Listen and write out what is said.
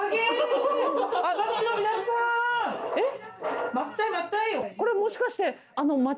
えっ？